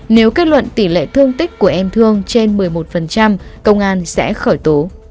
nếu kết luận tỷ lệ thương tích của em thương trên một mươi một công an sẽ khởi tố